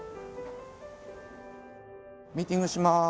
ミーティングします。